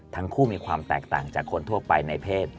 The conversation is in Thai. ทั้งคู่มีความแตกต่างจากคนทั่วไปในเพศ